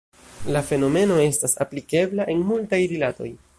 La fenomeno estas aplikebla en multaj rilatoj.